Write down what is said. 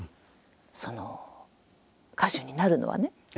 その歌手になるのはね。